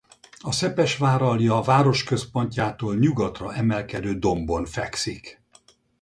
A Szepesváralja városközpontjától nyugatra emelkedő dombon fekszik.